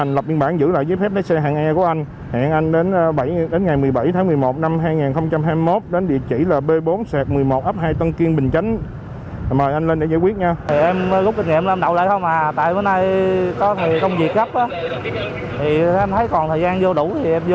tại bữa nay có người công việc gấp thì em thấy còn thời gian vô đủ thì em vô chứ kế bên bãi em đậu đây nè đậu bãi này nè kế bên đây nè